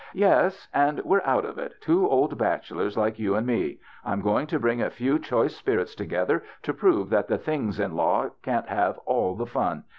" Yes. And we're out of it — two old bach elors like you and me. I'm going to bring a few choice spirits together to prove that the things in law can't have all the fun.